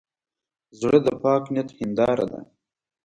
زړه د پاک نیت هنداره ده.